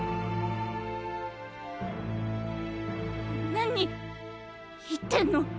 何言ってんの？